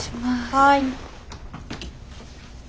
はい。